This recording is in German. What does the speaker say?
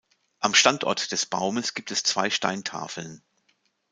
Am Standort des Baumes gibt es zwei Steintafeln.